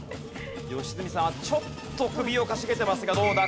良純さんはちょっと首をかしげてますがどうだ？